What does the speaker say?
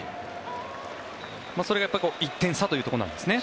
それは１点差というところなんですね。